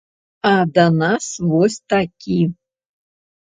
А да нас вось такі.